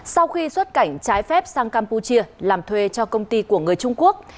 sau khi xuất cảnh trái phép sang campuchia làm thuê cho công ty của người trung quốc